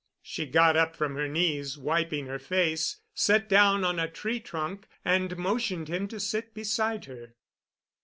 She got up from her knees, wiping her face, sat down on a tree trunk, and motioned him to sit beside her.